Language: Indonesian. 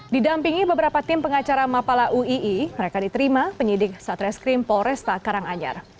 didampingi beberapa tim pengacara mapala uii mereka diterima penyidik satreskrim polresta karanganyar